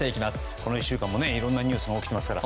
この１週間もいろいろなニュースが起きていますから。